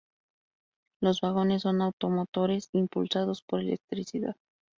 Los vagones son automotores impulsados por electricidad.